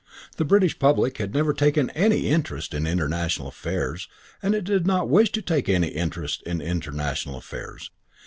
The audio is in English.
The British public had never taken any interest in international affairs and it did not wish to take any interest in international affairs.